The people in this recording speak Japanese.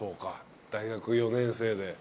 大学４年生で。